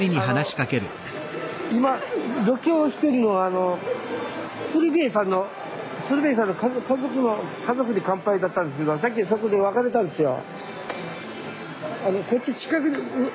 今ロケをしてるのは鶴瓶さんの鶴瓶さんの「家族に乾杯」だったんですけどさっきそこで別れたんですよ。